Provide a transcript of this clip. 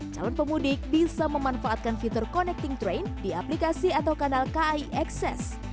calon pemudik bisa memanfaatkan fitur connecting train di aplikasi atau kanal kai ekses